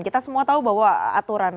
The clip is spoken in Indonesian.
kita semua tahu bahwa aturan